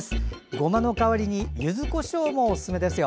ごまの代わりにゆずこしょうもおすすめですよ。